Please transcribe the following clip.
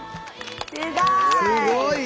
すごい。